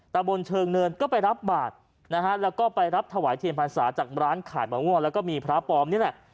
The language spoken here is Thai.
ตะบนเชิงเนินก็ไปรับบาทนะฮะแล้วก็ไปรับถวายเทียนพรรษาจากร้านขายมะม่วงแล้วก็มีพระปลอมนี่แหละ